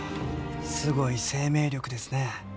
すごい生命力ですね。